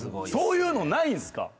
そういうのないんすか？